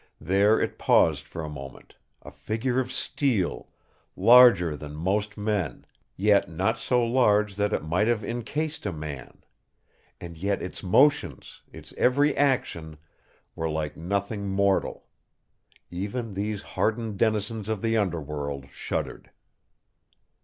There it paused for a moment a figure of steel, larger than most men, yet not so large but that it might have incased a man. And yet its motions, its every action, were like nothing mortal. Even these hardened denizens of the underworld shuddered.